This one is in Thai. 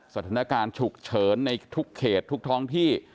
สถานการณ์ฉุกเฉินในทุกเขตทุกท้องที่